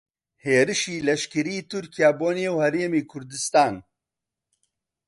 هێرشی لەشکریی تورکیا بۆ نێو هەرێمی کوردستان